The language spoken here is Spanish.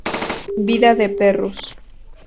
Vida de perros.